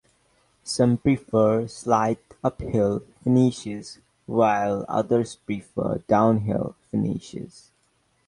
Some prefer slight uphill finishes, while others prefer downhill finishes.